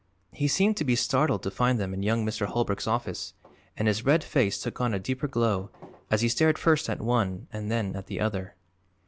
He seemed to be startled to find them in young Mr. Holbrook's office and his red face took on a deeper glow as he stared first at one and then at the other.